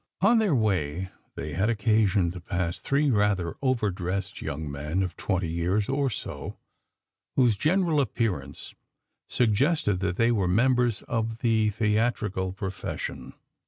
On their way they had occasion to pass three rather overdressed young men of twenty years or so, whose general appearance suggested that they were members of the theatrical profession.